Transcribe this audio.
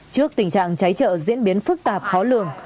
trước tình trạng cháy trợ diễn biến phức tạp khó lường